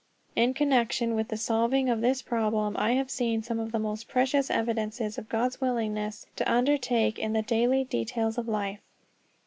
In connection with the solving of this problem, I have seen some of the most precious evidences of God's willingness to undertake in the daily details of life.